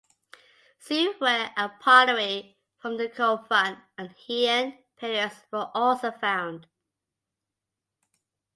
Sue ware and pottery from the Kofun and Heian periods were also found.